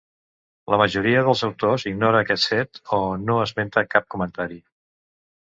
La majoria dels autors ignora aquest fet o no esmenta cap comentari.